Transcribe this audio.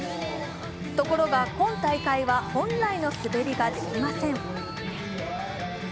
ところが今大会は本来の滑りができません。